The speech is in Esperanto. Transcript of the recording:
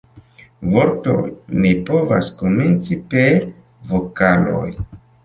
Vortoj ne povas komenci per vokaloj.